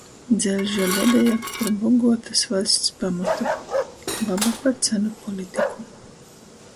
Dzeļža ledeja par boguotys vaļsts pamatu... Baba par cenu politiku.